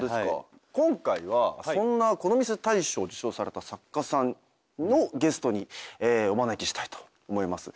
今回はそんな『このミス』大賞受賞された作家さんゲストにお招きしたいと思います。